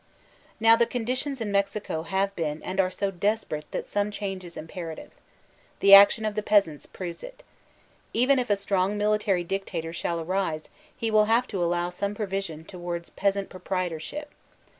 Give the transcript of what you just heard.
Now the conditions in Mexico have been and are so desperate that some change is imperative. The action of the peasants proves it. Even if a strong military dicta tor shall arise, he will have to allow some provision gotOK The Mexican REVOLunoN 269 towards peasant proprietorship.